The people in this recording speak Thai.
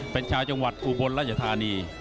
เป็นชาวจังหวัดอุบลราชธานี